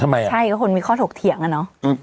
ใช่ก็คนมีข้อถกเถียงอ่ะเนอะ